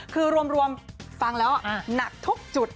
คือรวมฟังแล้วหนักทุกจุด